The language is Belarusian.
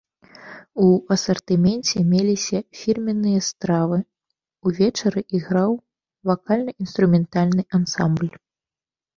У асартыменце меліся фірменныя стравы, увечары іграў вакальна-інструментальны ансамбль.